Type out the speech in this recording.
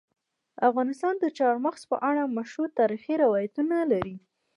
افغانستان د چار مغز په اړه مشهور تاریخی روایتونه لري.